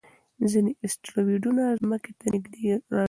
ځینې اسټروېډونه ځمکې ته نږدې راځي.